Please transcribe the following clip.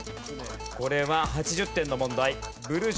これは８０点の問題。